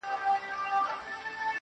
ځكه له يوه جوړه كالو سره راوتـي يــو.